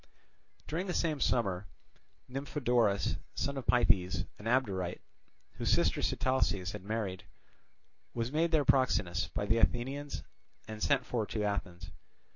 During the same summer Nymphodorus, son of Pythes, an Abderite, whose sister Sitalces had married, was made their proxenus by the Athenians and sent for to Athens.